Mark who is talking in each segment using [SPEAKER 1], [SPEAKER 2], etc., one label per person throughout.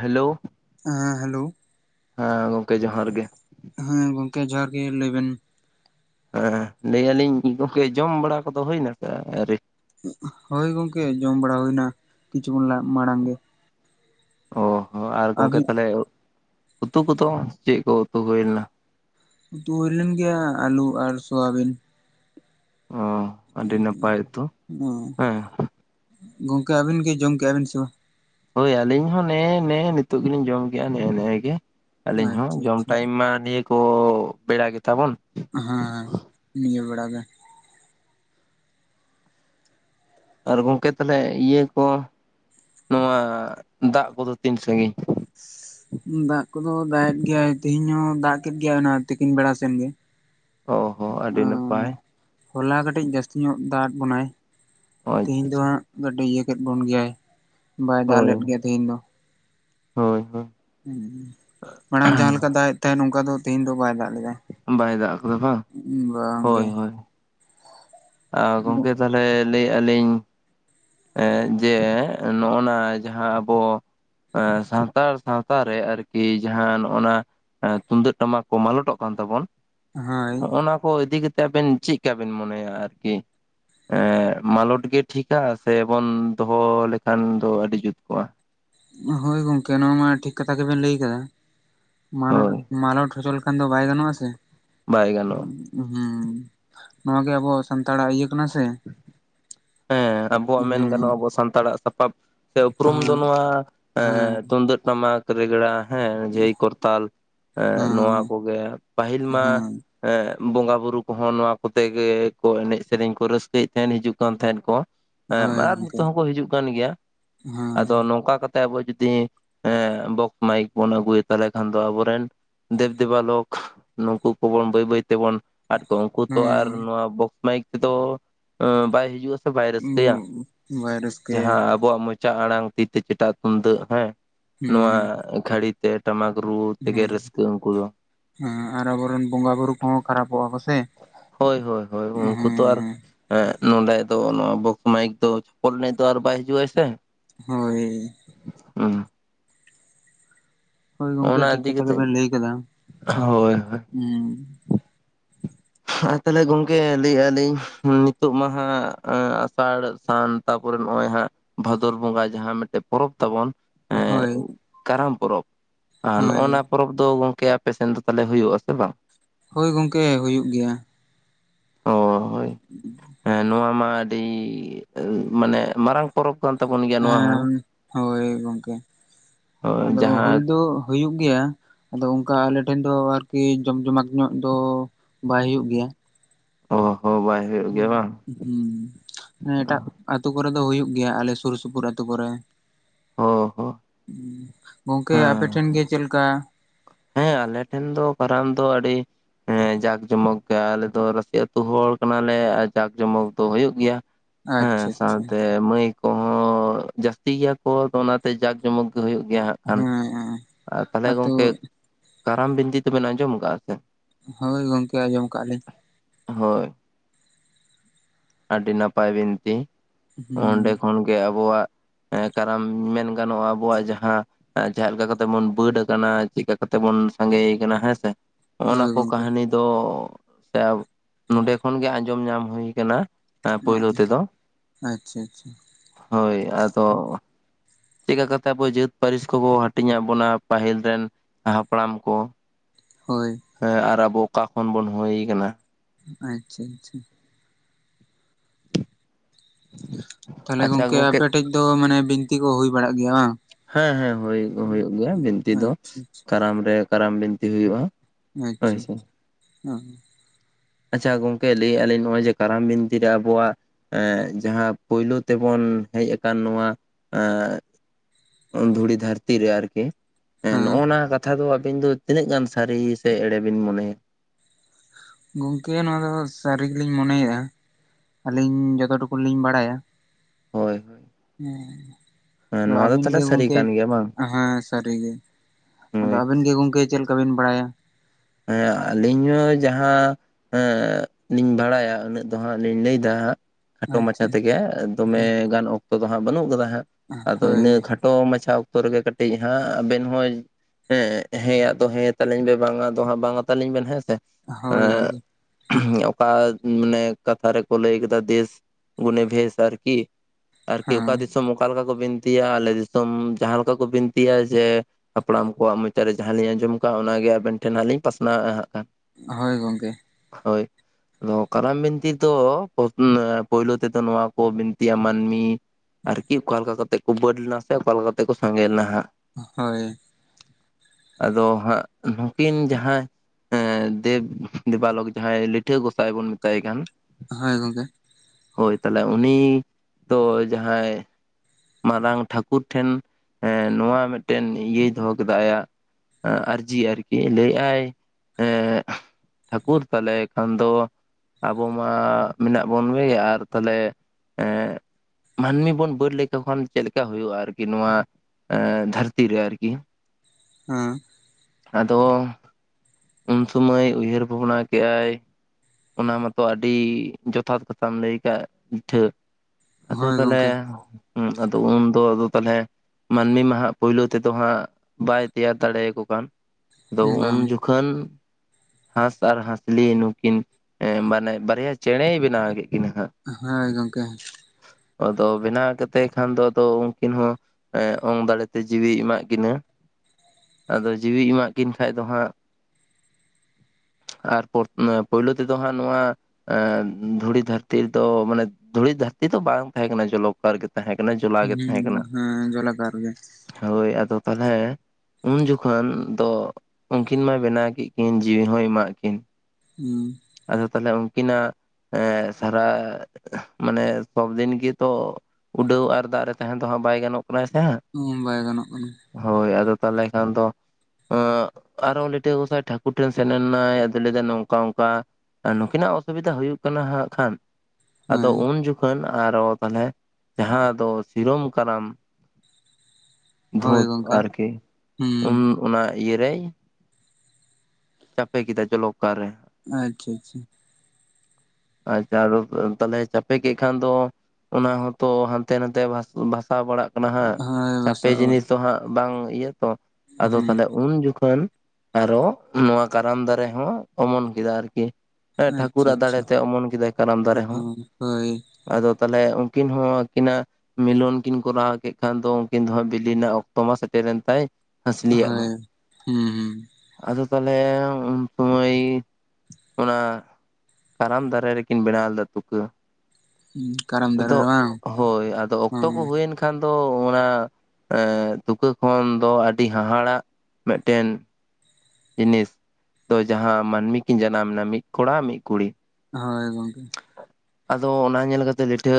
[SPEAKER 1] Hello
[SPEAKER 2] ᱦᱮᱸ hello
[SPEAKER 1] ᱦᱮᱸ ᱜᱚᱝᱠᱮ ᱡᱚᱦᱟᱨ ᱜᱮ᱾
[SPEAKER 2] ᱦᱮᱸ ᱜᱚᱝᱠᱮ ᱡᱚᱦᱟᱨ ᱜᱮᱤ ᱞᱟᱹᱭ ᱵᱮᱱ?
[SPEAKER 1] ᱦᱮᱸ ᱞᱟᱹᱭ ᱟᱹᱞᱤᱧ ᱜᱚᱝᱠᱮ ᱡᱚᱢ ᱵᱟᱲᱟ ᱠᱚᱫᱚ ᱦᱩᱭᱱᱟ ᱥᱮ ᱟᱣᱨᱤ?
[SPEAKER 2] ᱦᱳᱭ ᱜᱚᱝᱠᱮ ᱡᱚᱢ ᱵᱟᱲᱟ ᱦᱩᱭᱱᱟ ᱠᱤᱪᱷᱩᱚᱱ ᱞᱟ ᱢᱟᱲᱟᱝ ᱜᱮ᱾
[SPEAKER 1] ᱚ ᱦᱚ ᱟᱨ ᱜᱚᱝᱠᱮ
[SPEAKER 2] ᱟᱹᱵᱤᱱ
[SPEAKER 1] ᱛᱟᱦᱞᱮ ᱩᱛᱩ ᱠᱚᱫᱚ ᱪᱮᱜ ᱠᱚ ᱩᱛᱩ ᱦᱩᱭ ᱞᱮᱱᱟ?
[SPEAKER 2] ᱩᱛᱩ ᱦᱩᱭ ᱞᱮᱱ ᱜᱮᱭᱟ ᱟᱹᱞᱩ ᱟᱨ ᱥᱳᱣᱟᱵᱤᱱ᱾
[SPEAKER 1] ᱚ ᱟᱹᱰᱤ ᱱᱟᱯᱟᱭ ᱩᱛᱩ ᱦᱮᱸ᱾
[SPEAKER 2] ᱜᱚᱝᱠᱮ ᱟᱵᱤᱱ ᱜᱮ ᱡᱚᱢ ᱠᱮᱜᱼᱟ ᱵᱤᱱ ᱥᱮ ᱵᱟᱝ?
[SPEAKER 1] ᱦᱳᱭ ᱟᱹᱞᱤᱧ ᱦᱚᱸ ᱱᱮ-ᱱᱮ ᱱᱤᱛᱳ ᱜᱮᱞᱤᱧ ᱡᱚᱢ ᱠᱮᱜᱟ ᱱᱮᱜᱼᱮ ᱱᱮᱜᱼᱮ ᱜᱮ᱾ ᱟᱹᱞᱤᱧ ᱦᱚᱸ
[SPEAKER 2] ᱟᱪᱪᱷᱟ
[SPEAKER 1] ᱡᱚᱢ
[SPEAKER 2] ᱟᱪᱪᱷᱟ
[SPEAKER 1] ᱴᱟᱭᱤᱢ ᱢᱟ ᱱᱤᱭᱟᱹ ᱠᱚ ᱵᱮᱲᱟ ᱜᱮ ᱛᱟᱵᱚᱱ᱾
[SPEAKER 2] ᱦᱮᱸ ᱱᱤᱭᱟᱹ ᱵᱮᱲᱟ ᱫᱚ᱾
[SPEAKER 1] ᱟᱨ ᱜᱚᱝᱠᱮ ᱛᱟᱦᱞᱮ ᱤᱭᱟᱹ ᱠᱚ ᱱᱚᱣᱟ ᱫᱟᱜ ᱠᱚᱫᱚ ᱛᱤᱱ ᱥᱟᱺᱜᱤᱧ?
[SPEAKER 2] [inaudible] ᱫᱟᱜ ᱠᱚᱫᱚ ᱫᱟᱜ ᱮᱫ ᱜᱮᱭᱟᱭ ᱛᱮᱦᱤᱧ ᱦᱚᱸ ᱫᱟᱜ ᱠᱮᱫ ᱜᱮᱭᱟᱭ ᱚᱱᱟ ᱛᱤᱠᱤᱱ ᱵᱮᱲᱟ ᱥᱮᱱ ᱜᱮ᱾
[SPEAKER 1] ᱚ ᱦᱚᱸ ᱟᱹᱰᱤ
[SPEAKER 2] ᱚᱸ
[SPEAKER 1] ᱱᱟᱯᱟᱭ
[SPEAKER 2] ᱦᱚᱞᱟ ᱠᱟᱹᱴᱤᱡ ᱡᱟᱹᱥᱛᱤ ᱧᱚᱜ ᱫᱟᱜ ᱟᱫ ᱵᱚᱱᱟᱭ᱾
[SPEAKER 1] ᱚ ᱟᱪᱪᱷᱟ
[SPEAKER 2] ᱛᱮᱦᱤᱧ ᱫᱚ
[SPEAKER 1] ᱟᱪᱪᱷᱟ
[SPEAKER 2] ᱦᱟᱸᱜ ᱜᱟᱹᱰᱤ ᱤᱭᱟᱹ ᱠᱮᱫ ᱵᱚᱱ ᱜᱮᱭᱟᱭ, ᱵᱟᱭ ᱫᱟᱜ
[SPEAKER 1] ᱦᱳᱭ
[SPEAKER 2] ᱞᱮᱫ ᱜᱮᱭᱟ ᱛᱮᱦᱤᱧ ᱫᱚ᱾
[SPEAKER 1] ᱦᱳᱭ ᱦᱳᱭ
[SPEAKER 2] ᱦᱩᱸ ᱢᱟᱲᱟᱝ ᱡᱟᱦᱟᱸ ᱞᱮᱠᱟ ᱫᱟᱜ ᱮᱫ ᱛᱟᱦᱮᱸᱱ ᱱᱚᱝᱠᱟ ᱫᱚ ᱛᱮᱦᱤᱧ ᱫᱚ ᱵᱟᱭ ᱫᱟᱜ ᱞᱮᱫᱟ
[SPEAKER 1] ᱵᱟᱭ ᱫᱟᱜ ᱠᱟᱫᱟ ᱵᱟᱝ
[SPEAKER 2] ᱵᱟᱝ ᱜᱮ᱾
[SPEAKER 1] ᱟᱨ ᱜᱚᱢᱠᱮ ᱛᱟᱦᱞᱮ ᱞᱟᱹᱭᱮᱜ ᱟᱞᱤᱧ ᱮᱸ ᱡᱮ ᱱᱚᱜᱼᱱᱟ ᱡᱟᱦᱟᱸ ᱟᱵᱚ ᱮᱸ ᱥᱟᱱᱛᱟᱲ ᱥᱟᱶᱛᱟ ᱨᱮ ᱟᱨᱠᱤ ᱡᱟᱦᱟᱸ ᱱᱚᱜᱼᱱᱟ ᱦᱮᱸ ᱛᱩᱢᱫᱟᱹᱜ ᱴᱟᱢᱟᱠ ᱠᱚ ᱢᱟᱞᱚᱴᱚᱜ ᱠᱟᱱ ᱛᱟᱵᱚᱱ᱾
[SPEAKER 2] ᱦᱳᱭ
[SPEAKER 1] ᱦᱚᱸᱼᱚᱱᱟ ᱠᱚ ᱤᱫᱤ ᱠᱟᱛᱮ ᱟᱵᱮᱱ ᱪᱤᱜᱠᱟ ᱵᱮᱱ ᱢᱚᱱᱮᱭᱟ ᱟᱨᱠᱤ? ᱮᱸ ᱢᱟᱞᱚᱴ ᱜᱮ ᱴᱷᱤᱠᱟ? ᱥᱮ ᱵᱚᱱ ᱫᱚᱦᱚ ᱞᱮᱠᱷᱟᱱ ᱫᱚ ᱟᱹᱰᱤ ᱡᱩᱛ ᱠᱚᱜᱼᱟ?
[SPEAKER 2] ᱦᱳᱭ ᱜᱚᱝᱠᱮ ᱱᱚᱣᱟ ᱢᱟ ᱴᱷᱤᱠ ᱠᱟᱛᱷᱟ ᱜᱮᱵᱮᱱ ᱞᱟᱹᱭ ᱠᱟᱜᱼᱟ᱾ ᱢᱟᱱᱚᱴ
[SPEAKER 1] ᱦᱳᱭ
[SPEAKER 2] ᱢᱟᱞᱚᱴ ᱦᱚᱪᱚ ᱞᱮ ᱠᱷᱟᱱ ᱫᱚ ᱵᱟᱭ ᱜᱟᱱᱚᱜᱼᱟ ᱥᱮ,
[SPEAKER 1] ᱵᱟᱭ ᱜᱟᱱᱚᱜᱼᱟ
[SPEAKER 2] ᱩᱸ ᱦᱩᱸ ᱱᱚᱣᱟ ᱜᱮ ᱟᱵᱚ ᱥᱟᱱᱛᱟᱲᱟᱜ ᱤᱭᱟᱹ ᱠᱟᱱᱟ ᱥᱮ᱾
[SPEAKER 1] ᱮᱸ ᱟᱵᱚᱣᱟᱜ ᱢᱮᱱ
[SPEAKER 2] ᱦᱩᱸ
[SPEAKER 1] ᱜᱟᱱᱚᱜ ᱟᱵᱚ ᱥᱟᱱᱛᱟᱲᱟᱜ ᱥᱟᱯᱟᱵ᱾ ᱥᱮ ᱩᱯᱨᱩᱢ ᱫᱚ
[SPEAKER 2] ᱦᱮᱸ
[SPEAKER 1] ᱱᱚᱣᱟ
[SPEAKER 2] ᱦᱮᱸ
[SPEAKER 1] ᱮᱸ ᱛᱩᱢᱫᱟᱹᱜ, ᱴᱟᱢᱟᱠ, ᱨᱮᱜᱽᱲᱟ᱾ ᱦᱮᱸ, ᱡᱟᱹᱭ ᱠᱚᱨᱛᱟᱞ ᱮᱸ ᱱᱚᱣᱟ
[SPEAKER 2] ᱦᱮᱸ
[SPEAKER 1] ᱠᱚᱜᱮ ᱯᱟᱹᱦᱤᱞ ᱢᱟ
[SPEAKER 2] ᱦᱮᱸ
[SPEAKER 1] ᱮᱸ ᱵᱚᱸᱜᱟᱼᱵᱩᱨᱩ ᱠᱚᱦᱚᱸ ᱱᱚᱣᱟ ᱠᱚᱛᱮ ᱜᱮ ᱠᱚ ᱮᱱᱮᱡ ᱥᱮᱨᱮᱧ ᱠᱚ ᱨᱟᱹᱥᱠᱟᱹᱭᱮᱜ ᱛᱟᱦᱮᱱ ᱦᱤᱡᱩᱜ ᱠᱟᱱ ᱛᱟᱦᱮᱸᱫ ᱠᱚᱸ ᱟᱸ
[SPEAKER 2] ᱦᱳᱭ
[SPEAKER 1] ᱢᱟᱨ
[SPEAKER 2] ᱜᱚᱝᱠᱮ
[SPEAKER 1] ᱧᱤᱛᱚᱜ ᱦᱚᱸᱠᱚ ᱦᱤᱡᱩᱜ ᱠᱟᱱ ᱜᱮᱭᱟ,
[SPEAKER 2] ᱦᱮᱸ
[SPEAKER 1] ᱟᱫᱚ ᱱᱚᱝᱠᱟ ᱠᱟ ᱛᱮ ᱟᱵᱚ ᱡᱩᱫᱤ ᱮᱸ ᱵᱚᱠ ᱢᱟᱭᱤᱠ ᱵᱚᱱ ᱟᱹᱜᱩᱭᱟ ᱛᱟᱦᱚᱞᱮ ᱠᱷᱟᱱ ᱫᱚ ᱟᱵᱚ ᱨᱮᱱ ᱫᱮᱵ ᱫᱮᱵᱟ ᱞᱳᱠ ᱱᱩᱠᱩ ᱠᱚᱵᱚᱱ ᱵᱟᱹᱭᱼᱵᱟᱹᱭ ᱛᱮᱵᱚᱱ ᱟᱫ ᱠᱚ ᱩᱱᱠᱩ ᱛᱚ ᱟᱨ
[SPEAKER 2] ᱦᱮᱸ
[SPEAKER 1] ᱱᱚᱣᱟ ᱵᱚᱠᱥ ᱢᱟᱭᱤᱠ ᱛᱮᱫᱚ ᱮᱸ ᱵᱟᱭ ᱦᱤᱡᱩᱜᱼᱟ᱾ ᱵᱟᱭ ᱨᱟᱹᱥᱤᱭᱟ,
[SPEAKER 2] ᱵᱟᱭ ᱨᱟᱹᱥᱠᱟᱹᱭᱟ
[SPEAKER 1] ᱡᱟᱦᱟᱸ ᱟᱵ ᱵᱚᱣᱟᱜ ᱢᱚᱪᱟ ᱟᱲᱟᱝ ᱛᱤ ᱛᱮ ᱪᱮᱴᱟᱜ ᱛᱩᱢᱫᱟᱹᱜ ᱦᱮᱸ
[SPEAKER 2] ᱦᱩᱸ
[SPEAKER 1] ᱱᱚᱣᱟ ᱜᱷᱟᱹᱲᱤ ᱛᱮ ᱴᱟᱢᱟᱠ ᱨᱩ ᱛᱮᱜᱮ
[SPEAKER 2] ᱦᱮᱸ
[SPEAKER 1] ᱨᱟᱹᱥᱠᱟᱹ ᱩᱱᱠᱩ ᱫᱚ᱾
[SPEAKER 2] ᱦᱮᱸ ᱟᱨ ᱟᱵᱚᱨᱮᱱ ᱵᱚᱸᱜᱟᱼᱵᱩᱨᱩ ᱠᱚᱦᱚᱸ ᱠᱷᱟᱨᱟᱯᱚᱜᱼᱟ ᱠᱚ ᱥᱮ᱾
[SPEAKER 1] ᱦᱳᱭ, ᱦᱳᱭ, ᱦᱳᱭ, ᱩᱱᱠᱩ ᱛᱚ ᱟᱨ
[SPEAKER 2] ᱦᱮᱸ
[SPEAKER 1] ᱮᱸ ᱱᱚᱰᱮᱭ ᱫᱚ ᱱᱚᱣᱟ ᱵᱚᱠᱥ ᱢᱟᱭᱤᱠ ᱫᱚ ᱪᱷᱚᱯᱚᱞ ᱮᱱᱮᱡ ᱫᱚ ᱟᱨ ᱵᱟᱭ ᱦᱤᱡᱩᱜᱼᱟᱭ ᱥᱮ᱾
[SPEAKER 2] ᱦᱳᱭ᱾
[SPEAKER 1] ᱩᱸ᱾
[SPEAKER 2] ᱦᱳᱭ ᱜᱚᱝᱠᱮ
[SPEAKER 1] ᱚᱱᱟ
[SPEAKER 2] ᱴᱷᱤᱠ
[SPEAKER 1] ᱤᱫᱤ
[SPEAKER 2] ᱠᱟᱛᱷᱟ
[SPEAKER 1] ᱠᱟᱛᱮᱜ
[SPEAKER 2] ᱜᱮᱵᱮᱱ ᱞᱟᱹᱭ ᱠᱟᱫᱟ,
[SPEAKER 1] ᱦᱳᱭ ᱦᱳᱭ
[SPEAKER 2] ᱦᱩᱸ᱾
[SPEAKER 1] ᱦᱟᱸᱼᱟᱭ ᱛᱟᱞᱮ ᱜᱚᱝᱠᱮ ᱞᱟᱹᱭᱼᱮ ᱟᱹᱞᱤᱧ ᱱᱤᱛᱳᱜ ᱢᱟ ᱦᱟᱜ ᱟᱸ ᱟᱥᱟᱲ ᱥᱟᱱ ᱛᱟᱯᱚᱨᱮ ᱱᱚᱜᱼᱚᱭ ᱦᱟᱸᱜ ᱵᱷᱟᱫᱚᱨ ᱵᱚᱸᱜᱟ ᱡᱟᱦᱟᱸ ᱢᱮᱴᱮᱜ ᱯᱚᱨᱚᱵᱽ ᱛᱟᱵᱚᱱ ᱮᱸ
[SPEAKER 2] ᱦᱳᱭ᱾
[SPEAKER 1] ᱠᱟᱨᱟᱢ ᱯᱚᱨᱚᱵᱽ, ᱟᱸ ᱱᱚᱜᱼᱚ
[SPEAKER 2] ᱦᱳᱭ
[SPEAKER 1] ᱱᱟ ᱯᱚᱨᱚᱵᱽ ᱫᱚ ᱜᱚᱢᱠᱮ ᱟᱯᱮ ᱥᱮᱱ ᱫᱚ ᱛᱟᱦᱚᱞᱮ ᱦᱩᱭᱩᱜ ᱟᱥᱮ ᱵᱟᱝ?
[SPEAKER 2] ᱦᱳᱭ ᱜᱚᱢᱠᱮ, ᱦᱩᱭᱩᱜ ᱜᱮᱭᱟ᱾
[SPEAKER 1] ᱚ ᱦᱳᱭᱸ ᱦᱮᱸ ᱱᱚᱣᱟ ᱢᱟ ᱟᱹᱰᱤ ᱢᱟᱱᱮ ᱢᱟᱨᱟᱝ ᱯᱚᱨᱚᱵᱽ ᱠᱟᱱ ᱛᱟᱵᱚᱱ ᱜᱮᱭᱟ ᱱᱚᱣᱟ ᱦᱚᱸ
[SPEAKER 2] ᱮᱸ ᱦᱳᱭ ᱜᱚᱝᱠᱮ᱾
[SPEAKER 1] ᱦᱳᱭ
[SPEAKER 2] ᱟᱫᱚ ᱦᱳᱭ
[SPEAKER 1] ᱡᱟᱦᱟᱸ
[SPEAKER 2] ᱫᱚ ᱦᱩᱭᱩᱜ ᱜᱮᱭᱟ᱾ ᱟᱫᱚ ᱚᱝᱠᱟ ᱟᱞᱮ ᱴᱷᱮᱱ ᱫᱚ ᱟᱨᱠᱤ ᱡᱚᱢᱡᱚᱢᱟᱴ ᱧᱚᱜ ᱫᱚ ᱵᱟᱭ ᱦᱩᱭᱩᱜ ᱜᱮᱭᱟ᱾
[SPEAKER 1] ᱚ ᱦᱚ ᱵᱟᱭ ᱦᱩᱭᱩᱜ
[SPEAKER 2] ᱦᱩᱸ
[SPEAKER 1] ᱜᱮᱭᱟ ᱵᱟᱝ
[SPEAKER 2] ᱦᱩᱸ ᱮᱴᱟᱜ ᱟᱛᱳ ᱠᱚᱨᱮ ᱫᱚ ᱦᱩᱭᱩᱜ ᱜᱮᱭᱟ, ᱟᱞᱮ ᱥᱳᱨ ᱥᱩᱯᱩᱨ ᱟᱛᱳ ᱠᱚᱨᱮ᱾
[SPEAKER 1] ᱳ ᱦᱳ᱾
[SPEAKER 2] ᱩᱸ ᱜᱚᱝᱠᱮ ᱟᱯᱮᱴᱷᱮᱱ ᱜᱮ ᱪᱮᱞᱠᱟ?
[SPEAKER 1] ᱦᱮᱸ, ᱟᱞᱮ ᱴᱷᱮᱱ ᱫᱚ ᱠᱟᱨᱟᱢ ᱫᱚ ᱟᱹᱰᱤ ᱦᱮᱸ ᱡᱟᱸᱠᱼᱡᱚᱢᱚᱠ ᱜᱮ ᱟᱞᱮ ᱫᱚ ᱨᱟᱥᱤ ᱟᱹᱛᱳ ᱦᱚᱲ ᱠᱟᱱᱟᱞᱮ ᱟ ᱡᱟᱠᱼᱡᱚᱢᱚᱠ ᱫᱚ ᱦᱳᱭᱳᱜ ᱜᱮᱭᱟ᱾ ᱦᱮᱸ,
[SPEAKER 2] ᱟᱪᱪᱷᱟ ᱟᱪᱪᱷᱟ
[SPEAKER 1] ᱥᱟᱶᱛᱮ ᱢᱟᱹᱭ ᱠᱚᱦᱚᱸ ᱡᱟᱹᱥᱛᱤ ᱜᱮᱭᱟ ᱠᱚ ᱛᱚ ᱚᱱᱟᱛᱮ ᱡᱟᱠᱼᱡᱚᱢᱚᱠ ᱜᱮ ᱦᱳᱭᱳᱜ ᱜᱮᱭᱟ ᱦᱟᱸᱜ ᱠᱷᱟᱱ᱾
[SPEAKER 2] [inaudible]
[SPEAKER 1] ᱟᱨ ᱛᱟᱦᱚᱞᱮ
[SPEAKER 2] ᱟᱛᱳ
[SPEAKER 1] ᱜᱚᱝᱠᱮ ᱠᱟᱨᱟᱢ ᱵᱤᱱᱛᱤ ᱫᱚᱵᱮᱱ ᱟᱸᱡᱚᱢ ᱠᱟᱜᱼᱟ ᱥᱮ?
[SPEAKER 2] ᱦᱳᱭ ᱜᱚᱝᱠᱮ ᱟᱸᱡᱚᱢ ᱠᱟᱜᱼᱟ ᱞᱤᱧ᱾
[SPEAKER 1] ᱦᱳᱭ᱾ ᱟᱹᱰᱤ ᱱᱟᱯᱟᱭ ᱵᱤᱱᱛᱤ,
[SPEAKER 2] ᱦᱩᱸ
[SPEAKER 1] ᱚᱸᱰᱮ ᱠᱷᱚᱱ ᱜᱮ ᱟᱵᱚᱣᱟᱜ ᱮᱸ ᱠᱟᱨᱟᱢ ᱢᱮᱱ ᱜᱟᱱᱚᱜᱼᱟ ᱟᱵᱚᱣᱟᱜ ᱡᱟᱦᱟᱸ ᱟᱸ ᱡᱟᱦᱟᱸ ᱞᱮᱠᱟ ᱠᱟᱛᱮ ᱵᱚᱱ ᱵᱟᱹᱰ ᱟᱠᱟᱱᱟ, ᱪᱮᱜᱠᱟ ᱠᱟᱛᱮ ᱵᱚᱱ ᱥᱟᱸᱜᱮᱭ ᱠᱟᱱᱟ? ᱦᱮᱸ ᱥᱮ᱾ ᱦᱚᱸᱜᱼᱚ ᱱᱟ
[SPEAKER 2] ᱦᱳᱭ
[SPEAKER 1] ᱠᱚ
[SPEAKER 2] ᱜᱚᱝᱠᱮ
[SPEAKER 1] ᱠᱟᱹᱦᱤᱱᱤ ᱫᱚ ᱥᱮ ᱱᱚᱸᱰᱮ ᱠᱷᱚᱱᱜᱮ ᱟᱸᱧᱡᱚᱢ ᱧᱟᱢ ᱦᱩᱭ ᱠᱟᱱᱟ᱾ ᱦᱮᱸ ᱯᱳᱭᱞᱳ ᱛᱮᱫᱚ,
[SPEAKER 2] ᱟᱪᱪᱷᱟ ᱟᱪᱪᱷᱟ
[SPEAKER 1] ᱦᱳᱭ ᱟᱫᱚ ᱪᱮᱜᱠᱟ ᱠᱟᱛᱮ ᱟᱵᱚ ᱡᱟᱹᱛ ᱯᱟᱹᱨᱤᱥ ᱠᱚᱵᱚ ᱦᱟᱹᱴᱤᱧᱟᱜ ᱵᱚᱱ ᱯᱟᱹᱦᱤᱞ ᱨᱮᱱ ᱦᱟᱯᱲᱟᱢ ᱠᱚ?
[SPEAKER 2] ᱦᱳᱭ
[SPEAKER 1] ᱦᱮᱸ ᱟᱨ ᱟᱵᱚ ᱚᱠᱟ ᱠᱷᱚᱱ ᱵᱚᱱ ᱦᱳ ᱠᱟᱱᱟ᱾
[SPEAKER 2] ᱟᱪᱪᱷᱟ ᱟᱪᱪᱷᱟ᱾ ᱛᱟᱦᱞᱮ
[SPEAKER 1] ᱟᱪᱪᱷᱟ
[SPEAKER 2] ᱜᱚᱢᱠᱮ
[SPEAKER 1] ᱜᱚᱝᱠᱮ
[SPEAKER 2] ᱟᱯᱮ ᱴᱷᱮᱡ ᱫᱚ ᱢᱟᱱᱮ ᱵᱤᱱᱛᱤ ᱠᱚ ᱦᱩᱭ ᱵᱟᱲᱟᱜ ᱜᱮᱭᱟ?
[SPEAKER 1] ᱦᱮᱸ ᱦᱮᱸ ᱦᱩᱠᱚ ᱦᱩᱭᱩᱜ ᱜᱮᱭᱟ᱾ ᱵᱤᱱᱛᱤ ᱫᱚ
[SPEAKER 2] ᱟᱪᱪᱷᱟ ᱟᱪᱪᱷᱟ
[SPEAKER 1] ᱠᱟᱨᱟᱢ ᱨᱮ ᱠᱟᱨᱟᱢ ᱵᱤᱱᱛᱤ ᱦᱩᱭᱩᱜᱼᱟ᱾ ᱦᱳᱭ
[SPEAKER 2] ᱟᱪᱪᱷᱟ ᱟᱪᱪᱷᱟ
[SPEAKER 1] ᱥᱮ
[SPEAKER 2] ᱦᱚᱸ᱾
[SPEAKER 1] ᱟᱪᱪᱷᱟ ᱜᱚᱢᱠᱮ ᱞᱟᱹᱭᱮᱜᱼᱟ ᱤᱧ ᱱᱚᱜᱼᱚᱭ ᱡᱮ ᱠᱟᱨᱟᱢ ᱵᱤᱱᱛᱤ ᱨᱮ ᱟᱵᱚᱣᱟᱜ ᱡᱟᱦᱟᱸ ᱯᱳᱭᱞᱳ ᱛᱮᱵᱚᱱ ᱦᱮᱡ ᱟᱠᱟᱱ ᱱᱚᱣᱟ [unintelligible] ᱫᱷᱩᱲᱤ ᱫᱷᱟᱹᱨᱛᱤ ᱨᱮ ᱟᱨᱠᱤ ᱮᱸ
[SPEAKER 2] ᱦᱮᱸ
[SPEAKER 1] ᱱᱚᱜᱼᱚ ᱱᱟ ᱠᱷᱟᱛ ᱠᱟᱛᱷᱟ ᱫᱚ ᱟᱹᱵᱤᱱ ᱫᱚ ᱛᱤᱱᱟᱹᱜ ᱜᱟᱱ ᱥᱟᱹᱨᱤ ᱥᱮ ᱮᱲᱮ ᱵᱤᱱ ᱢᱚᱱᱮᱭᱟ?
[SPEAKER 2] ᱜᱚᱢᱠᱮ ᱱᱚᱣᱟ ᱫᱚ ᱥᱟᱹᱨᱤ ᱜᱮᱞᱤᱧ ᱢᱚᱱᱮᱫᱼᱟ, ᱟᱹᱞᱤᱧ ᱡᱚᱛᱚ ᱴᱩᱠᱩ ᱞᱤᱧ ᱵᱟᱲᱟᱭᱟ᱾
[SPEAKER 1] ᱦᱳᱭ ᱦᱳᱭ
[SPEAKER 2] ᱦᱮᱸ ᱟ
[SPEAKER 1] ᱱᱚᱣᱟ ᱫᱚ
[SPEAKER 2] ᱟᱹᱵᱤᱱ
[SPEAKER 1] ᱛᱟᱦᱚᱞᱮ
[SPEAKER 2] ᱜᱮ
[SPEAKER 1] ᱥᱟᱹᱨᱤ
[SPEAKER 2] ᱜᱚᱝᱠᱮ
[SPEAKER 1] ᱠᱟᱱ ᱜᱮᱭᱟ ᱵᱟᱝ
[SPEAKER 2] ᱦᱮᱸ ᱥᱟᱹᱨᱤᱜᱮ ᱟᱫᱚ
[SPEAKER 1] ᱦᱳᱭ
[SPEAKER 2] ᱟᱹᱵᱤᱱ ᱜᱮ ᱜᱚᱝᱠᱮ ᱪᱮᱫ ᱞᱮᱠᱟ ᱵᱤᱱ ᱵᱟᱲᱟᱭᱟ?
[SPEAKER 1] ᱦᱮᱸ ᱟᱹᱞᱤᱧ ᱦᱚᱸ ᱡᱟᱦᱟᱸ ᱦᱮᱸ ᱞᱤᱧ ᱵᱷᱟᱲᱟᱭᱟ, ᱩᱱᱟᱹᱜ ᱫᱚ ᱦᱟᱸᱜ ᱞᱤᱧ ᱞᱟᱹᱭ ᱮᱫᱟ ᱦᱟᱸᱜ᱾ ᱠᱷᱟᱴᱚ ᱢᱟᱪᱷᱟ
[SPEAKER 2] ᱟᱪᱪᱷᱟ
[SPEAKER 1] ᱛᱮᱜᱮ, ᱫᱚᱢᱮ ᱜᱟᱱ ᱚᱠᱛᱚ ᱫᱚ ᱦᱟᱸᱜ ᱵᱟᱹᱱᱩᱜ ᱠᱟᱫᱟ ᱦᱟᱸᱜ, ᱟᱫᱚ
[SPEAKER 2] ᱦᱳᱭ
[SPEAKER 1] ᱤᱱᱟᱹ ᱠᱷᱟᱴ ᱛᱚ ᱢᱟᱪᱷᱟ ᱚᱠᱛᱚ ᱨᱮᱜᱮ ᱠᱟᱹᱴᱤᱡ ᱦᱟᱸᱜ ᱟᱵᱮᱱ ᱦᱚᱸᱭ ᱦᱮᱸᱭᱟᱜ ᱫᱚ ᱦᱮᱸ ᱛᱟᱞᱤᱧ ᱵᱮᱱ ᱵᱟᱝ ᱟ ᱛᱚ ᱦᱟᱜ ᱵᱟᱝᱼᱟ ᱛᱟᱞᱤᱧ ᱵᱮᱱ ᱦᱸ ᱥᱮ
[SPEAKER 2] ᱦᱳᱭ ᱜᱚᱢᱠᱮ᱾
[SPEAKER 1] ᱚᱠᱟ ᱢᱟᱱᱮ ᱠᱟᱛᱷᱟ ᱨᱮᱠᱚ ᱞᱟᱹᱭ ᱠᱟᱫᱟ ᱫᱮᱥ ᱜᱩᱱᱮ ᱵᱷᱮᱥ ᱟᱨᱠᱤ ᱟᱨᱠᱤ ᱚᱠᱟ
[SPEAKER 2] ᱦᱮᱸ
[SPEAKER 1] ᱫᱤᱥᱚᱢ ᱚᱠᱟ ᱞᱮᱠᱟ ᱠᱚ ᱵᱤᱱᱛᱤᱭᱟ? ᱟᱞᱮ ᱫᱤᱥᱚᱢ ᱡᱟᱦᱟᱸ ᱞᱮᱠᱟ ᱠᱚ ᱵᱤᱱᱛᱤᱭᱟ ᱡᱮ ᱦᱟᱯᱲᱟᱢ ᱠᱚᱣᱟᱜ ᱢᱚᱪᱟ ᱨᱮᱸ ᱡᱟᱦᱟᱸ ᱞᱤᱧ ᱟᱸᱡᱚᱢ ᱠᱟᱜᱼᱟ, ᱚᱱᱟᱜᱮ ᱟᱵᱮᱱ ᱴᱷᱮᱱ ᱦᱟᱜ ᱞᱤᱧ ᱯᱟᱥᱱᱟᱣᱼᱟ ᱦᱟᱸᱜ᱾
[SPEAKER 2] ᱦᱳᱭ ᱜᱚᱢᱠᱮ᱾
[SPEAKER 1] ᱦᱳᱭ ᱱᱚ ᱠᱟᱨᱟᱢ ᱵᱤᱱᱛᱤ ᱫᱚ-ᱚ [unintelligible] ᱯᱳᱭᱞᱳ ᱛᱮᱫᱚ, ᱱᱚᱣᱟ ᱠᱚ ᱵᱤᱱᱛᱤᱭᱟ ᱢᱟᱹᱱᱢᱤ ᱟᱨᱠᱤ ᱚᱠᱟ ᱞᱮᱠᱟ ᱠᱟᱛᱮ ᱠᱚ ᱵᱟᱹᱰ ᱞᱮᱱᱟ ᱥᱮ ᱚᱠᱟ ᱞᱮᱠᱟ ᱠᱟᱛᱮ ᱠᱚ ᱥᱟᱸᱜᱮ ᱞᱮᱱᱟ ᱦᱟᱸᱜ?
[SPEAKER 2] ᱦᱳᱭ
[SPEAKER 1] ᱟᱫᱚ ᱦᱟᱜ ᱱᱩᱠᱤᱱ ᱡᱟᱦᱟᱸᱭ ᱮ-ᱮ ᱫᱮᱵᱽ ᱫᱮᱵᱟᱞᱳᱠ ᱡᱟᱦᱟᱸᱭ ᱞᱤᱴᱷᱟᱹ ᱜᱚᱸᱥᱟᱭ ᱵᱚᱱ ᱢᱮᱛᱟᱭ ᱠᱟᱱ
[SPEAKER 2] ᱦᱳᱭ ᱜᱚᱢᱠᱮᱺ
[SPEAKER 1] ᱦᱳᱭ ᱛᱟᱦᱚᱞᱮ ᱩᱱᱤ ᱫᱚ ᱡᱟᱦᱟᱸᱭ ᱢᱟᱨᱟᱝ ᱴᱷᱟᱠᱩᱨ ᱴᱷᱮᱱ ᱱᱚᱣᱟ ᱢᱤᱫᱴᱮᱱ ᱤᱭᱟᱹᱭ ᱫᱚᱦᱚ ᱠᱮᱫᱟ ᱟᱭᱟᱜ ᱟ ᱟᱨᱡᱤ ᱟᱨᱠᱤ ᱪᱮᱫ ᱞᱟᱹᱭᱮᱜᱟᱭ ᱮ ᱴᱷᱟᱹᱠᱩᱨ ᱛᱟᱞᱮ ᱠᱷᱟᱱ ᱫᱚ ᱟᱵᱚ ᱢᱟ ᱢᱮᱱᱟᱜ ᱵᱚᱱ ᱜᱮ ᱟᱨ ᱛᱟᱦᱚᱞᱮ ᱢᱟᱹᱱᱢᱤ ᱵᱚᱱ ᱵᱟᱹᱰ ᱞᱮᱠᱚ ᱠᱷᱟᱱ ᱪᱮᱫ ᱞᱮᱠᱟ ᱦᱩᱭᱩᱜᱼᱟ, ᱟᱨᱠᱤ! ᱱᱚᱣᱟ ᱫᱷᱟᱹᱨᱛᱤ ᱨᱮ ᱟᱨᱠᱤ
[SPEAKER 2] ᱦᱮᱸ
[SPEAKER 1] ᱟᱫᱚ ᱩᱱ ᱥᱚᱢᱚᱹᱭ ᱩᱭᱦᱟᱹᱨ ᱵᱷᱟᱵᱽᱱᱟ ᱠᱮᱼᱟᱭ ᱚᱱᱟ ᱢᱟᱛᱚ ᱟᱹᱰᱤ ᱡᱚᱛᱷᱟᱛ ᱠᱟᱛᱷᱟᱢ ᱞᱟᱹᱭ ᱟᱠᱟᱫ ᱞᱤᱴᱷᱟᱹ᱾ ᱟᱫᱚ
[SPEAKER 2] ᱦᱳᱭ
[SPEAKER 1] ᱛᱟᱦᱚᱞᱮ
[SPEAKER 2] ᱜᱚᱝᱠᱮ
[SPEAKER 1] ᱟᱫᱚ ᱩᱱ ᱫᱚ ᱟᱫᱚ ᱛᱟᱦᱚᱞᱮ ᱢᱟᱹᱱᱢᱤ ᱢᱟ ᱦᱟᱸᱜ ᱯᱳᱭᱞᱳ ᱛᱮᱫᱚ ᱦᱟᱸᱜ ᱵᱟᱭ ᱛᱮᱭᱟᱨ ᱫᱟᱲᱮᱭ ᱟᱠᱚ ᱠᱟᱱ, ᱟᱫᱚ ᱩᱱ
[SPEAKER 2] ᱵᱟᱝ
[SPEAKER 1] ᱡᱚᱠᱷᱚᱱ ᱦᱟᱸᱥ ᱟᱨ ᱦᱟᱸᱥᱞᱤ ᱱᱩᱠᱤᱱ ᱦᱮᱸ ᱢᱟᱱᱮ ᱵᱟᱨᱭᱟ ᱪᱮᱬᱮᱭ ᱵᱮᱱᱟᱣ ᱠᱮᱫ ᱠᱤᱱᱟᱹ ᱦᱟᱸᱜ᱾
[SPEAKER 2] ᱦᱮ ᱜᱚᱢᱠᱮ᱾
[SPEAKER 1] ᱟᱫᱚ ᱵᱮᱱᱟᱣ ᱠᱟᱛᱮ ᱠᱷᱟᱱ ᱫᱚ ᱟᱫᱚ ᱩᱱᱠᱤᱱ ᱦᱚᱸ ᱚᱝ ᱫᱟᱲᱮ ᱛᱮ ᱡᱤᱣᱤ ᱮᱢᱟᱜ ᱠᱤᱱᱟᱹ᱾ ᱟᱫᱚ ᱡᱤᱣᱤᱭ ᱮᱢᱟᱜ ᱠᱤᱱ ᱠᱷᱟᱱ ᱫᱚ ᱦᱟᱸᱜ ᱟᱨ ᱯᱚᱨ ᱯᱳᱭᱞᱳ ᱛᱮᱫᱚ ᱦᱟᱸᱜ ᱱᱚᱣᱟ ᱫᱷᱩᱲᱤ ᱫᱷᱟᱹᱨᱛᱤ ᱨᱮᱫᱚ ᱢᱟᱱᱮ ᱫᱷᱩᱲᱤ ᱫᱷᱟᱹᱨᱛᱤ ᱫᱚ ᱵᱟᱝ ᱛᱟᱦᱮᱸ ᱠᱟᱱᱟ ᱡᱚᱞᱚᱠᱟᱨ ᱜᱮ ᱛᱟᱦᱮᱸ ᱠᱟᱱᱟ ᱡᱚᱞᱟ ᱜᱮ
[SPEAKER 2] ᱦᱩᱸ
[SPEAKER 1] ᱛᱟᱦᱮᱸ ᱠᱟᱱᱟ᱾
[SPEAKER 2] ᱦᱮᱸ ᱡᱚᱞᱟᱠᱟᱨ ᱜᱮ
[SPEAKER 1] ᱦᱳᱭ ᱟᱫᱚ ᱛᱟᱦᱚᱞᱮ ᱩᱱ ᱡᱚᱠᱷᱚᱱ ᱫᱚ ᱩᱱᱠᱤᱱ ᱢᱟᱭ ᱵᱮᱱᱟᱣ ᱠᱮᱫ ᱠᱤᱱ ᱡᱤᱣᱤ ᱦᱚᱸᱭ ᱮᱢᱟᱜᱫ ᱠᱤᱱ
[SPEAKER 2] ᱦᱩᱸ
[SPEAKER 1] ᱟᱫᱚ ᱛᱟᱦᱚᱞᱮ ᱩᱱᱠᱤᱱᱟᱜ ᱮ ᱥᱟᱨᱟ ᱢᱟᱱᱮ ᱥᱚᱵᱽᱫᱤᱱ ᱜᱮᱛᱚ ᱩᱰᱟᱹᱣ ᱟᱨ ᱫᱟᱜ ᱨᱮ ᱛᱟᱦᱮ ᱫᱚ ᱦᱟᱸᱜ ᱵᱟᱭ ᱜᱟᱱᱚᱜ ᱠᱟᱱᱟ ᱥᱮ ᱦᱟᱸᱜ
[SPEAKER 2] ᱦᱩᱸ ᱵᱟᱭ ᱜᱟᱱᱚᱜ ᱠᱟᱱᱟ᱾
[SPEAKER 1] ᱦᱳᱭ ᱟᱫᱚ ᱛᱟᱦᱚᱞᱮ ᱠᱷᱟᱱ ᱫᱚ ᱟᱨᱦᱚᱸ ᱞᱤᱴᱟᱹ ᱜᱚᱸᱥᱟᱭ ᱴᱷᱟᱹᱠᱩᱨ ᱴᱷᱮᱱ ᱥᱮᱱ ᱞᱮᱱᱟᱭ ᱟᱫᱚᱭ ᱞᱟᱹᱭᱫᱟ ᱱᱚᱝᱠᱟ ᱚᱝ ᱠᱟ ᱱᱩᱠᱤᱱᱟᱜ ᱚᱥᱩᱵᱤᱫᱟ ᱦᱩᱭᱩᱜ ᱠᱟᱱᱟ ᱦᱟᱸᱜ ᱠᱷᱟᱱ ᱟᱫᱚ
[SPEAKER 2] ᱦᱳᱭ
[SPEAKER 1] ᱩᱱ ᱡᱚᱠᱷ ᱠᱷᱚᱱ ᱟᱨᱚ ᱛᱟᱦᱚᱞᱮ ᱡᱟᱦᱟᱸ ᱫᱚ ᱥᱤᱨᱚᱢ ᱠᱟᱨᱟᱢ
[SPEAKER 2] ᱦᱳᱭ
[SPEAKER 1] ᱫᱷᱩᱸᱛ
[SPEAKER 2] ᱜᱚᱝᱠᱮ
[SPEAKER 1] ᱟᱨᱠᱤ
[SPEAKER 2] ᱦᱩᱸ
[SPEAKER 1] ᱩᱱ ᱚᱱᱟ ᱤᱭᱟᱹ ᱨᱮᱭ ᱪᱟᱯᱮ ᱠᱮᱫᱟ ᱡᱚᱞᱚᱠᱟᱨ ᱨᱮ
[SPEAKER 2] ᱟᱪᱪᱷᱟ ᱟᱪᱪᱷᱟ
[SPEAKER 1] ᱟᱪᱪᱷᱟ ᱛᱟᱦᱚᱞᱮ ᱪᱟᱯᱮ ᱠᱮᱫ ᱠᱷᱟᱱ ᱫᱚ ᱚᱱᱟ ᱦᱚᱸᱛᱚ ᱦᱟᱱᱛᱮ ᱱᱟᱛᱮ ᱵᱷᱟᱥᱟᱣ ᱯᱟᱲᱟᱜ ᱠᱟᱱᱟ ᱦᱟᱸᱜ
[SPEAKER 2] ᱦᱳᱭ
[SPEAKER 1] ᱪᱟᱯᱮ
[SPEAKER 2] ᱵᱟᱥᱟ ᱚᱲᱟᱜ
[SPEAKER 1] ᱡᱤᱱᱤᱥ ᱛᱚ ᱦᱟᱸᱜ ᱵᱟᱝ ᱤᱭᱟᱹ ᱛᱚ ᱟᱫᱚ
[SPEAKER 2] ᱦᱩᱸ
[SPEAKER 1] ᱛᱟᱦᱚᱞᱮ ᱩᱱ ᱡᱚᱠᱷᱚᱱ ᱟᱨᱦᱚᱸ ᱱᱚᱣᱟ ᱠᱟᱨᱟᱢ ᱫᱟᱨᱮ ᱦᱚᱸ ᱚᱢᱚᱱ ᱠᱮᱫᱟ ᱟᱨᱠᱤ ᱦᱮᱸ
[SPEAKER 2] ᱟᱪᱪᱷᱟ
[SPEAKER 1] ᱴᱷᱟᱹᱠᱩᱨᱟᱜ ᱫᱟᱲᱮ
[SPEAKER 2] ᱟᱪᱪᱷᱟ
[SPEAKER 1] ᱛᱮ ᱚᱢᱚᱱ ᱠᱮᱫᱟᱭ ᱠᱟᱨᱟᱢ ᱫᱟᱨᱮ ᱦᱚᱸ ᱟᱫᱚ ᱛᱟᱦᱚᱞᱮ ᱩᱱᱠᱤᱱ ᱦᱚᱸ ᱟᱹᱠᱤᱱᱟᱜ ᱢᱤᱞᱚᱱ ᱠᱤᱱ ᱠᱚᱨᱟᱣ ᱠᱮᱫ ᱠᱷᱟᱱ ᱫᱚ ᱩᱱᱠᱤᱱ ᱫᱚ ᱦᱟᱸᱜ ᱵᱤᱞᱤ ᱨᱮᱱᱟᱜ ᱚᱠᱛᱚ ᱢᱟ ᱥᱮᱴᱮᱨᱨᱮᱱ ᱛᱟᱭ ᱦᱟᱹᱥᱞᱤᱭᱟᱜ ᱢᱟ
[SPEAKER 2] ᱦᱳᱭ ᱦᱩᱸ
[SPEAKER 1] ᱾ ᱟᱫᱚ ᱛᱟᱦᱚᱞᱮ ᱩᱱ ᱥᱩᱢᱚᱭ
[SPEAKER 2] [inaudible]
[SPEAKER 1] ᱚᱱᱟ ᱠᱟᱨᱟᱢ ᱫᱟᱨᱮ ᱨᱮᱠᱤᱱ ᱵᱮᱱᱟᱣ ᱞᱮᱫᱟ ᱛᱩᱠᱟᱹ
[SPEAKER 2] ᱦᱩᱸ ᱠᱟᱨᱟᱢ ᱫᱟᱨᱮ
[SPEAKER 1] ᱟᱫᱚ
[SPEAKER 2] ᱨᱮ ᱵᱟᱝ
[SPEAKER 1] ᱦᱳᱭ ᱟᱫᱚ ᱚᱠᱛᱚ
[SPEAKER 2] ᱦᱚᱸ
[SPEAKER 1] ᱠᱚ ᱦᱩᱭᱮᱱ ᱠᱷᱟᱱ ᱮᱠᱷᱟᱱ ᱫᱚ ᱚᱱᱟ ᱛᱩᱠᱟᱹ ᱠᱷᱚᱱ ᱫᱚ ᱟᱹᱰᱤ ᱦᱟᱦᱟᱲᱟᱜ ᱢᱤᱫᱴᱮᱱ ᱡᱤᱱᱤᱥ ᱫᱚ ᱡᱟᱦᱟᱸ ᱢᱟᱹᱱᱢᱤ ᱠᱤᱱ ᱡᱟᱱᱟᱢ ᱮᱱᱟ ᱢᱤᱫ ᱠᱚᱲᱟ ᱢᱤᱫ ᱠᱩᱲᱤ
[SPEAKER 2] ᱦᱳᱭ ᱜᱚᱢᱠᱮ
[SPEAKER 1] ᱟᱫᱚ ᱚᱱᱟ ᱧᱮᱞ ᱠᱟᱛᱮᱫ ᱞᱤᱴᱷᱟᱹ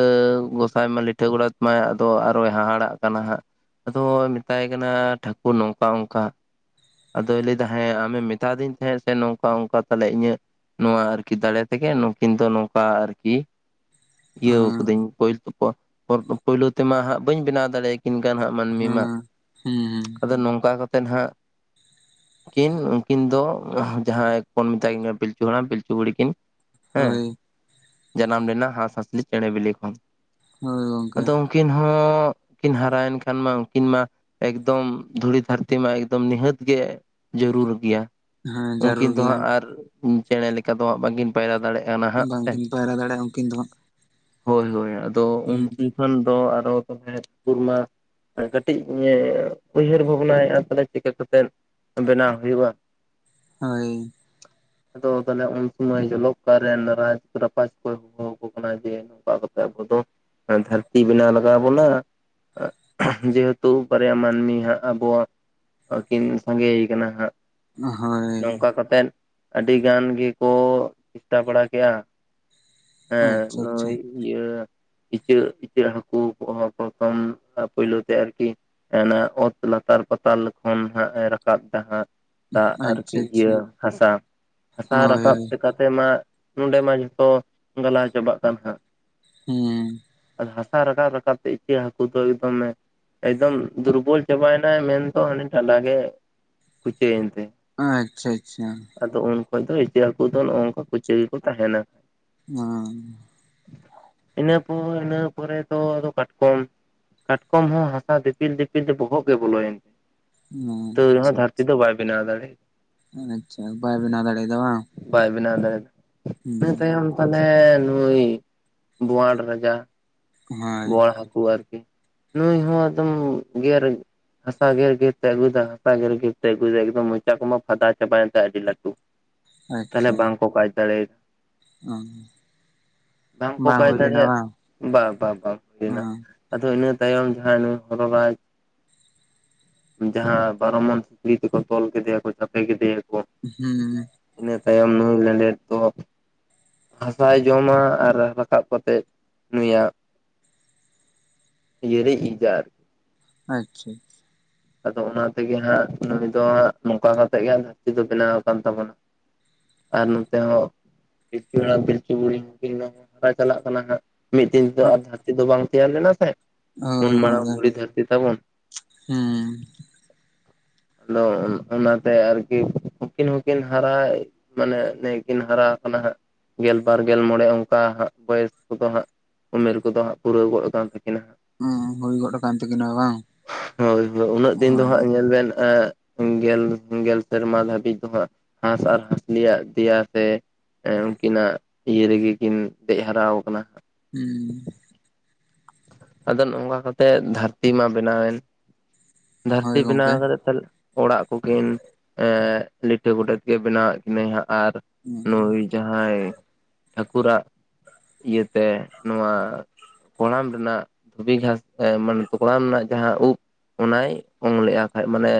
[SPEAKER 1] ᱜᱚᱸᱥᱟᱭ ᱢᱟᱭ ᱞᱤᱴᱷᱟᱹ ᱜᱳᱰᱮᱛ ᱢᱟᱭ ᱟᱫᱚ ᱟᱨᱚᱭ ᱦᱟᱦᱟᱲᱟᱜ ᱠᱟᱱᱟ ᱦᱟᱸᱜ᱾ ᱟᱫᱚ ᱢᱮᱛᱟᱭ ᱠᱟᱱᱟ ᱴᱷᱟᱠᱩᱨ ᱱᱚᱝᱠᱟ ᱚᱝᱠᱟ ᱟᱫᱚᱭ ᱞᱟᱹᱭᱫᱟ ᱦᱮᱸ ᱟᱢᱮᱢ ᱢᱮᱛᱟ ᱫᱤᱧ ᱛᱟᱦᱮᱸᱫ ᱥᱮ ᱱᱚᱝᱠᱟ ᱚᱝᱠᱟ ᱛᱟᱦᱚᱞᱮ ᱤᱧᱟᱹᱜ ᱱᱚᱣᱟ ᱟᱨᱠᱤ ᱫᱟᱲᱮ ᱛᱮᱜᱮ ᱱᱩᱠᱤᱱ ᱫᱚ ᱱᱚᱝᱠᱟ ᱟᱨᱠᱤᱼᱼ ᱤᱭᱟᱹᱣ
[SPEAKER 2] ᱦᱚᱸ
[SPEAKER 1] ᱠᱟᱹᱫᱟᱹᱧ [unintelligible] ᱯᱳᱭᱞᱳ ᱛᱮᱢᱟ ᱦᱟᱸᱜ ᱵᱟᱹᱧ ᱵᱮᱱᱟᱣ ᱫᱟᱲᱮ ᱟᱹᱠᱤᱱᱠᱟᱱ ᱦᱟᱸᱜ ᱢᱟᱹᱱᱢᱤ ᱢᱟ,
[SPEAKER 2] ᱦᱚᱸ ᱦᱩᱸ ᱦᱩᱸ
[SPEAKER 1] ᱟᱫᱚ ᱱᱚᱝᱠᱟ ᱠᱟᱛᱮ ᱦᱟᱸᱜ᱾ ᱠᱤᱱ ᱩᱱᱠᱤᱱ ᱫᱚ ᱡᱟᱦᱟᱸᱭ ᱵᱚᱱ ᱢᱮᱛᱟ ᱠᱤᱱᱟ ᱯᱤᱞᱪᱩ ᱦᱟᱲᱟᱢ, ᱯᱤᱞᱪᱩ ᱵᱩᱲᱦᱤ ᱠᱤᱱ ᱦᱮᱸ
[SPEAKER 2] ᱦᱳᱭ
[SPEAKER 1] ᱡᱟᱱᱟᱢ ᱞᱮᱱᱟ ᱦᱟᱸᱥᱼᱦᱟᱸᱥᱞᱤ ᱪᱮᱬᱮ ᱵᱤᱞᱤ ᱠᱷᱚᱱ
[SPEAKER 2] ᱦᱳᱭ ᱜᱚᱝᱠᱮ
[SPEAKER 1] ᱟᱫᱚ ᱩᱱᱠᱤᱱ ᱦᱚᱸ ᱠᱤᱱ ᱦᱟᱨᱟᱭᱮᱱ ᱠᱷᱟᱱ ᱢᱟ ᱩᱱᱠᱤᱱ ᱢᱟ᱾ ᱮᱠᱫᱚᱢ ᱫᱷᱩᱲᱤ ᱫᱷᱟᱹᱨᱛᱤ ᱢᱟ, ᱮᱠᱫᱚᱢ ᱱᱤᱦᱟᱹᱛ ᱜᱮ ᱡᱟᱹᱨᱩᱲ ᱜᱮᱭᱟ᱾
[SPEAKER 2] ᱦᱮᱸ
[SPEAKER 1] ᱩᱱᱠᱤᱱ
[SPEAKER 2] ᱡᱟᱹᱨᱩᱲ
[SPEAKER 1] ᱫᱚ
[SPEAKER 2] ᱜᱮᱭᱟ
[SPEAKER 1] ᱦᱟᱸᱜ ᱟᱨ ᱪᱮᱬᱮ ᱞᱮᱠᱟ ᱫᱚ ᱦᱟᱸᱜ ᱵᱟᱹᱠᱤᱱ ᱯᱟᱭᱨᱟ ᱫᱟᱲᱮᱭᱟᱜᱼᱟ ᱦᱟᱸᱜ ᱥᱮ
[SPEAKER 2] ᱵᱟᱝᱠᱤᱱ ᱯᱟᱭᱨᱟ ᱫᱟᱲᱮᱭᱟᱜᱼᱟ ᱩᱱᱠᱤᱱ ᱫᱚ
[SPEAKER 1] ᱦᱳᱭ ᱦᱳᱭ ᱟᱫᱚ
[SPEAKER 2] ᱦᱟᱸᱜ
[SPEAKER 1] ᱩᱱᱠᱩᱠᱷᱚᱱ [unintelligible] ᱫᱚ ᱟᱨᱚ [unintelligible] ᱴᱩᱨ ᱢᱟ ᱠᱟᱹᱴᱤᱡ ᱩᱭᱦᱟᱹᱨ ᱵᱷᱟᱵᱽᱱᱟᱭᱮᱫᱼᱟ ᱛᱟᱦᱞᱮ ᱪᱤᱠᱟᱹ ᱠᱟᱛᱮᱫ ᱵᱮᱱᱟᱣ ᱦᱩᱭᱩᱜᱼᱟ᱾
[SPEAKER 2] ᱦᱳᱭ
[SPEAKER 1] ᱟᱫᱚ ᱛᱟᱦᱚᱞᱮ ᱩᱱ ᱥᱚᱢᱚᱭ ᱡᱚᱞᱚᱠᱠᱟᱨ ᱨᱮᱱ ᱨᱟᱡᱽ, ᱨᱟᱯᱟᱡᱽ ᱠᱚᱭ ᱦᱚᱦᱚ ᱟᱠᱚ ᱠᱟᱱᱟ ᱡᱮ, ᱚᱱᱠᱟ ᱠᱟᱛᱮ ᱟᱵᱚ ᱫᱚ ᱫᱷᱟᱹᱨᱛᱤ ᱵᱮᱱᱟᱣ ᱞᱟᱜᱟᱣ ᱵᱚᱱᱟ᱾ [unintelligible] ᱡᱮᱦᱮᱛᱩ ᱵᱟᱨᱭᱟ ᱢᱟᱹᱱᱢᱤ ᱦᱟᱸᱜ ᱟᱵᱚ ᱠᱤᱱ ᱥᱟᱸᱜᱮ ᱠᱟᱱᱟ ᱦᱟᱸᱜ,
[SPEAKER 2] ᱦᱳᱭ
[SPEAKER 1] ᱱᱚᱝᱠᱟ ᱠᱟᱛᱮᱫ ᱟᱹᱰᱤ ᱜᱟᱱ ᱜᱮᱠᱚ ᱪᱮᱥᱴᱟ ᱵᱟᱲᱟ ᱠᱮᱜᱼᱟ ᱦᱮᱸ
[SPEAKER 2] ᱟᱪᱪᱷᱟ ᱟᱪᱪᱷᱟ
[SPEAKER 1] ᱱᱩᱭ ᱤᱭᱟᱹ ᱤᱪᱟᱹᱜ ᱤᱪᱟᱹᱜ ᱦᱟᱹᱠᱩ ᱯᱨᱚᱛᱷᱚᱢ [unintelligible] ᱯᱩᱭᱞᱳ ᱛᱮ ᱟᱨᱠᱤ [unintelligible] ᱚᱛ ᱞᱟᱛᱟᱨ ᱯᱟᱛᱟᱞ ᱠᱷᱚᱱ ᱦᱟᱸᱜ ᱮ ᱨᱟᱠᱟᱵ ᱫᱟ ᱦᱟᱸᱜ᱾ ᱫᱟᱜ ᱟᱨᱠᱤ
[SPEAKER 2] ᱟᱪᱪᱷᱟ ᱟᱪᱪᱷᱟ
[SPEAKER 1] ᱤᱭᱟᱹ ᱦᱟᱥᱟ ᱦᱟᱥᱟ
[SPEAKER 2] ᱦᱳᱭ
[SPEAKER 1] ᱨᱟᱠᱟᱵ
[SPEAKER 2] ᱦᱳᱭ
[SPEAKER 1] ᱞᱮᱠᱟ ᱥᱮ ᱢᱟ ᱱᱚᱰᱮ ᱢᱟ ᱡᱷᱚᱛᱚ ᱜᱟᱞᱟ ᱪᱟᱵᱟᱜ ᱠᱟᱱ ᱦᱟᱸᱜ᱾
[SPEAKER 2] ᱦᱮᱸ
[SPEAKER 1] ᱦᱟᱥᱟ ᱨᱟᱠᱟᱵ ᱨᱟᱠᱟᱵ ᱛᱮ ᱤᱪᱟᱹᱜ ᱦᱟᱹᱠᱩ ᱫᱚ ᱮᱠᱫᱚᱢᱮ ᱮᱠᱫᱚᱢ ᱫᱩᱨᱵᱚᱞ ᱪᱟᱵᱟᱭᱮᱱᱟᱭ ᱢᱮᱱᱫᱚ ᱦᱟᱱ ᱴᱟᱞᱟ ᱜᱮ [unintelligible] ᱛᱮ
[SPEAKER 2] ᱟᱪᱪᱷᱟ ᱟᱪᱪᱷᱟ
[SPEAKER 1] ᱟᱫᱚ ᱩᱱᱠᱷᱚᱡ ᱫᱚ ᱤᱪᱟᱹᱜ ᱦᱟᱹᱠᱩ ᱫᱚ ᱱᱚᱜ ᱱᱚᱝᱠᱟ ᱠᱩᱪᱟᱹ ᱜᱮᱠᱚ ᱛᱟᱦᱮᱱᱟ᱾
[SPEAKER 2] [unintelligible]
[SPEAKER 1] ᱤᱱᱟᱹ ᱯᱚᱨ ᱤᱱᱟᱹ ᱯᱚᱨᱮ ᱫᱚ ᱟᱫᱚ ᱠᱟᱴᱠᱚᱢ ᱠᱟᱴᱠᱚᱢ ᱦᱚᱸ ᱦᱟᱥᱟ ᱫᱤᱯᱤᱞ ᱫᱤᱯᱤᱞ ᱫᱚ ᱵᱚᱦᱚᱜ ᱜᱮ ᱵᱚᱞᱚᱭᱮᱱ ᱛᱟᱹᱣ
[SPEAKER 2] ᱟᱪᱪᱷᱟ
[SPEAKER 1] ᱨᱮᱦᱚᱸ ᱫᱷᱟᱹᱨᱛᱤ ᱫᱚ ᱵᱟᱭ ᱵᱮᱱᱟᱣ ᱫᱟᱲᱮᱭ
[SPEAKER 2] ᱟᱪᱪᱷᱟ ᱵᱟᱭ ᱵᱮᱱᱟᱣ ᱫᱟᱲᱮᱭᱟᱫᱟ ᱵᱟᱝ᱾
[SPEAKER 1] ᱵᱟᱭ ᱵᱮᱱᱟᱣ ᱫᱟᱲᱮᱭᱟᱫᱟ,
[SPEAKER 2] ᱦᱩᱸ
[SPEAKER 1] ᱤᱱᱟᱹ ᱛᱟᱭᱚᱢ ᱢᱟᱱᱮ ᱱᱩᱭ ᱵᱳᱣᱟᱲ ᱨᱟᱡᱟ᱾
[SPEAKER 2] ᱦᱳᱭ
[SPEAKER 1] ᱵᱳᱣᱟᱲ [unintelligible] ᱦᱟᱹᱠᱩ ᱟᱨᱠᱤ᱾ ᱱᱩᱭ ᱦᱚᱸ ᱮᱠᱫᱚᱢ ᱜᱮᱨ ᱦᱟᱥᱟ ᱜᱮᱨ ᱜᱮᱨᱛᱮ ᱟᱹᱜᱩᱮᱫᱟ᱾ ᱦᱟᱥᱟ ᱜᱮᱨ ᱜᱮᱨ ᱛᱮᱭ ᱟᱹᱜᱩᱭ ᱮᱫᱟ ᱮᱠᱫᱚᱢ ᱢᱚᱪᱟ ᱠᱚᱢᱟ ᱯᱷᱟᱫᱟ ᱪᱟᱵᱟᱭᱮᱱ ᱛᱟᱭᱟ ᱟᱹᱰᱤ ᱞᱟᱹᱴᱩ ᱾ ᱛᱟᱦᱚᱞᱮ
[SPEAKER 2] ᱟᱪᱪᱷᱟ
[SPEAKER 1] ᱵᱟᱝᱠᱚ ᱠᱟᱡᱽ ᱫᱟᱲᱮᱭ
[SPEAKER 2] ᱚ [inaudible]
[SPEAKER 1] ᱵᱟᱝᱠᱚ
[SPEAKER 2] ᱵᱟᱝ
[SPEAKER 1] ᱠᱟᱭ
[SPEAKER 2] ᱦᱩᱭ
[SPEAKER 1] [unintelligible]
[SPEAKER 2] ᱞᱮᱱᱟ
[SPEAKER 1] ᱫᱟᱲᱮᱭᱟᱜ
[SPEAKER 2] ᱵᱟᱝ
[SPEAKER 1] ᱵᱟ ᱵᱟᱝ ᱵᱟᱝ ᱦᱩᱭᱱᱟ᱾
[SPEAKER 2] ᱦᱩᱸ
[SPEAKER 1] ᱟᱫᱚ ᱤᱱᱟᱹ ᱛᱟᱭᱚᱢ ᱡᱟᱦᱟᱸ ᱱᱩᱭ ᱦᱚᱨᱚ ᱨᱟᱡᱽ [unintelligible] ᱡᱟᱦᱟᱸ ᱵᱟᱨᱚ ᱢᱚᱱ ᱥᱤᱠᱲᱤ ᱛᱮᱠᱚ ᱛᱚᱞ ᱠᱮᱫᱮᱭᱟᱠᱚ ᱪᱷᱟᱯᱮ ᱠᱮᱫᱮᱭᱟ ᱠᱚ
[SPEAKER 2] ᱦᱮᱸ
[SPEAKER 1] ᱤᱱᱟᱹ ᱛᱟᱭᱚᱢ ᱱᱩᱭ ᱞᱮᱸᱰᱮᱫ ᱠᱚ [unintelligible] ᱦᱟᱥᱟᱭ ᱡᱚᱢᱟ ᱟᱨ ᱨᱟᱠᱟᱵ ᱠᱟᱛᱮᱫ ᱱᱩᱭᱟᱜ [unintelligible]
[SPEAKER 2] ᱟᱪᱪᱷᱟ
[SPEAKER 1] ᱟᱫᱚ ᱚᱱᱟ ᱛᱮᱜᱮ ᱦᱟᱸᱜ ᱱᱩᱭ ᱫᱚ ᱦᱟᱸᱜ ᱱᱚᱝᱠᱟ ᱠᱟᱛᱮᱜ ᱜᱮ ᱫᱷᱟᱹᱨᱛᱤ ᱫᱚ ᱵᱮᱱᱟᱣ ᱟᱠᱟᱱ ᱛᱟᱵᱚᱱᱟ᱾ ᱟᱨ ᱱᱚᱛᱮ ᱦᱚᱸ ᱯᱤᱞᱪᱩ ᱦᱟᱲᱟᱢ ᱯᱤᱞᱪᱩ ᱵᱩᱲᱦᱤ ᱦᱩᱸᱠᱤᱱ ᱦᱟᱨᱟ ᱪᱟᱞᱟᱜ ᱠᱟᱱᱟ ᱦᱟᱸᱜ᱾ ᱢᱤᱫ ᱫᱤᱱ ᱛᱮ ᱟᱨ ᱫᱷᱟᱹᱨᱛᱤ ᱫᱚ ᱵᱟᱝ ᱛᱮᱭᱟᱨ ᱞᱮᱱᱟ ᱥᱮ᱾
[SPEAKER 2] ᱦᱳᱭ
[SPEAKER 1] ᱩᱱ ᱢᱟᱨᱟᱝ
[SPEAKER 2] ᱜᱚᱝᱠᱮ
[SPEAKER 1] ᱫᱷᱩᱲᱤ ᱫᱷᱟᱹᱨᱛᱤ ᱛᱟᱵᱚᱱ
[SPEAKER 2] ᱦᱩᱸ᱾
[SPEAKER 1] ᱟᱫᱚ ᱚᱱᱟᱛᱮ ᱟᱨᱠᱤ ᱩᱱᱠᱤᱱ ᱦᱚᱸᱠᱤᱱ ᱦᱟᱨᱟᱭ ᱢᱟᱱᱮ ᱱᱮ ᱠᱤᱱ ᱦᱟᱨᱟ ᱟᱠᱟᱱᱟ ᱦᱟᱸᱜ᱾ ᱜᱮᱞ ᱵᱟᱨ ᱜᱮᱞ ᱢᱚᱬᱮ ᱚᱱᱠᱟ ᱦᱟᱸᱜ ᱵᱚᱭᱮᱥ ᱠᱚᱫᱚ ᱦᱟᱸᱜ᱾ ᱩᱢᱮᱨ ᱠᱚᱫᱚ ᱦᱟᱸᱜ ᱯᱩᱨᱟᱹᱣ ᱜᱚᱫ ᱛᱟᱹᱠᱤᱱᱟ
[SPEAKER 2] ᱦᱩᱸ ᱦᱩᱭ ᱜᱚᱫ ᱟᱠᱟᱱ ᱛᱟᱹᱠᱤᱧᱟ ᱵᱟᱝ᱾
[SPEAKER 1] ᱟᱫᱚ ᱩᱱᱟᱹᱜ ᱫᱤᱱ ᱫᱚ
[SPEAKER 2] ᱦᱳᱭ
[SPEAKER 1] ᱦᱟᱸᱜ ᱧᱮᱞ ᱵᱮᱱ ᱮᱸ [unintelligible] ᱜᱮᱞ ᱜᱮᱞ ᱥᱮᱨᱢᱟ ᱫᱷᱟᱹᱵᱤᱡ ᱫᱚ ᱦᱟᱸᱜ ᱦᱟᱸᱥ ᱟᱨ ᱦᱟᱸᱥᱞᱤ ᱫᱮᱭᱟ ᱛᱮ ᱩᱱᱠᱤᱱᱟᱜ ᱤᱭᱟᱹ ᱨᱮᱜᱮ ᱠᱤᱱ ᱫᱮᱡ ᱦᱟᱨᱟ ᱟᱠᱟᱱᱟ᱾
[SPEAKER 2] ᱦᱩᱸ
[SPEAKER 1] ᱟᱫᱚ ᱱᱚᱝᱠᱟ ᱠᱟᱛᱮᱜ ᱫᱷᱟᱹᱨᱛᱤ ᱢᱟ ᱵᱮᱱᱟᱣᱮᱱ
[SPEAKER 2] ᱦᱳᱭ
[SPEAKER 1] ᱫᱷᱟᱹᱨᱛᱤ ᱵᱮᱱᱟᱣ
[SPEAKER 2] ᱜᱚᱝᱠᱮ
[SPEAKER 1] ᱠᱟᱛᱮ ᱛᱟᱦᱚᱞᱮ ᱚᱲᱟᱜ ᱠᱚᱠᱤᱱ ᱮ ᱞᱤᱴᱟᱹ ᱜᱚᱰᱮᱛ ᱜᱮᱭ ᱵᱮᱱᱟᱣᱟᱫ ᱠᱤᱱᱟᱹ ᱦᱟᱸᱜ ᱟᱨ ᱱᱩᱭ ᱡᱟᱦᱟᱸᱭ ᱴᱷᱟᱹᱠᱩᱨᱟᱜ ᱤᱭᱟᱹᱛᱮ ᱱᱚᱣᱟ ᱠᱚᱲᱟᱢ ᱨᱮᱱᱟᱜ ᱫᱷᱩᱵᱤ ᱜᱷᱟᱸᱥ ᱛᱮ ᱠᱚᱲᱟᱢ ᱨᱮᱱᱟᱜ ᱡᱟᱦᱟᱸ ᱩᱵ ᱚᱱᱟᱭ ᱚᱝ ᱞᱮᱼᱟ ᱠᱷᱟᱡ ᱢᱟᱱᱮ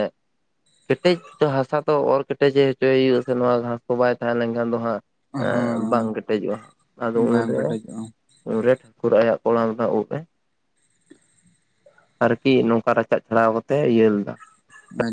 [SPEAKER 1] ᱠᱮᱴᱮᱡ ᱫᱚ ᱦᱟᱥᱟ ᱛᱚ ᱚᱨ ᱠᱮᱴᱮᱡᱮ ᱦᱚᱪᱚᱭᱮ ᱦᱩᱭᱩᱜᱼᱟ ᱥᱮ ᱱᱚᱣᱟ ᱜᱷᱟᱸᱥ ᱠᱚ ᱵᱟᱭ ᱛᱟᱦᱮᱸ ᱞᱮᱱᱠᱷᱟᱱ ᱫᱚ ᱦᱟᱸᱜ ᱮ ᱵᱟᱝ
[SPEAKER 2] ᱦᱳᱭ
[SPEAKER 1] ᱠᱮᱴᱮᱡᱚᱜᱼᱟ ᱟᱫᱚ
[SPEAKER 2] ᱵᱟᱝ
[SPEAKER 1] ᱩᱱᱨᱮ
[SPEAKER 2] ᱠᱮᱴᱮᱡᱚᱜᱼᱟ
[SPEAKER 1] ᱩᱱᱨᱮ ᱴᱷᱟᱹᱠᱩᱨ ᱟᱭᱟᱜ ᱠᱚᱲᱟᱢ ᱨᱮᱱᱟᱜ ᱩᱵ ᱮ ᱟᱨᱠᱤ ᱱᱚᱝᱠᱟ ᱨᱟᱪᱟᱜ ᱪᱷᱟᱲᱟᱣ ᱠᱟᱛᱮ ᱤᱭᱟᱹ ᱞᱮᱫᱟ
[SPEAKER 2] [unintelligible]